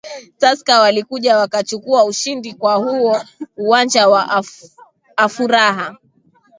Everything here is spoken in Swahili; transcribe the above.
tusker walikuja wakachukua ushindi kwa huo uwanja wa afuraha